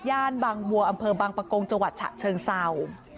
ย่านบางบังบังประกงจังหวัดฉะเชิงเศร้า